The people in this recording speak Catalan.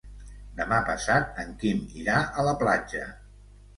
Demà passat en Quim irà a la platja.